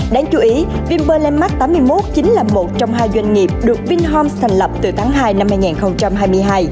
đáng chú ý vingroup landmark tám mươi một chính là một trong hai doanh nghiệp được vingroup thành lập từ tháng hai năm hai nghìn hai mươi hai